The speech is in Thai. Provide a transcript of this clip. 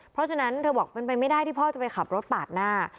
เพราะฉะนั้นเธอบอกเป็นไปไม่ได้ที่พ่อจะไปขับรถปาดหน้า